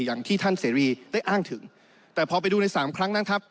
อย่างที่ท่านเสรีได้อ้างถึงแต่พอไปดูในสามครั้งนั้นครับ